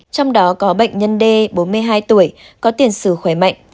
trong đó có bệnh nhân d bốn mươi hai tuổi có tiền sử khỏe mạnh